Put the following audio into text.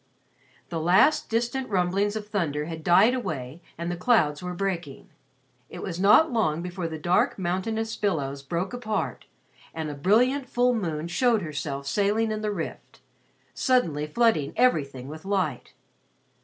The last distant rumblings of thunder had died away and the clouds were breaking. It was not long before the dark mountainous billows broke apart, and a brilliant full moon showed herself sailing in the rift, suddenly flooding everything with light.